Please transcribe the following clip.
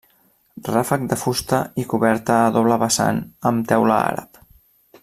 Ràfec de fusta i coberta a doble vessant i amb teula àrab.